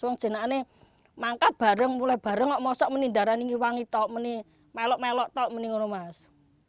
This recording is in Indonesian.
orang jenak nih mangka bareng mulai bareng mau sok menindaran ini wangi tau melok melok tau mendingan loh mas